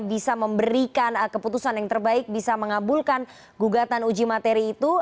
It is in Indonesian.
bisa memberikan keputusan yang terbaik bisa mengabulkan gugatan uji materi itu